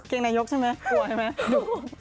งนายกใช่ไหมกลัวใช่ไหม